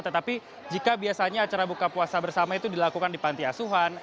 tetapi jika biasanya acara buka puasa bersama itu dilakukan di panti asuhan